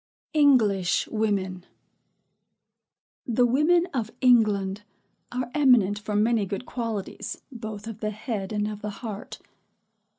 ENGLISH WOMEN. The women of England are eminent for many good qualities both of the head and of the heart.